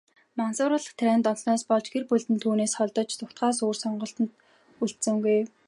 Мансууруулах тарианд донтсоноос болж, гэр бүлд нь түүнээс холдож, зугтаахаас өөр сонголт үлдсэнгүй.